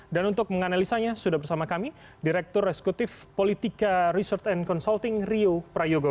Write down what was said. dan untuk menganalisanya sudah bersama kami direktur reskutif politika research and consulting rio prayogo